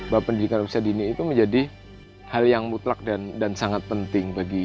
bahwa pendidikan usia dini itu menjadi hal yang mutlak dan sangat penting bagi